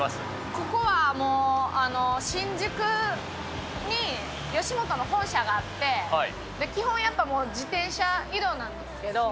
ここはもう、新宿に吉本の本社があって、基本、やっぱり自転車移動なんですけど。